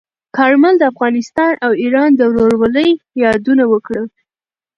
کارمل د افغانستان او ایران د ورورولۍ یادونه وکړه.